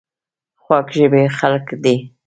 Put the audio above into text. خوږ ژبې خلک دي .